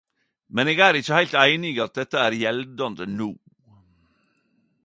Men eg er ikkje heilt enig i at dette er gjeldande no.